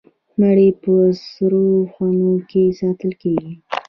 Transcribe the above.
مڼې په سړو خونو کې ساتل کیږي.